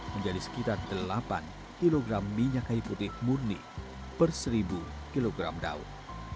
menjadi sekitar delapan kg minyak kayu putih murni per seribu kg daun